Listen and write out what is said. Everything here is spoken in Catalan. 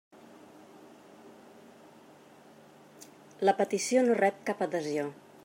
La petició no rep cap adhesió.